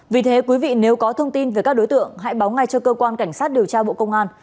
vì thế quý vị nếu có thông tin về các đối tượng hãy báo ngay cho cơ quan cảnh sát điều tra bộ công an